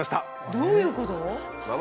どういうこと？